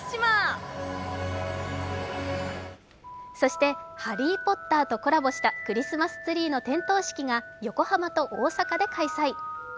そして「ハリー・ポッター」とコラボしたクリスマスツリーの点灯式が点灯式が横浜と大阪で開催。